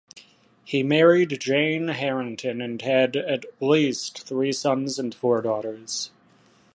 He married Jane Harrington and had at least three sons and four daughters.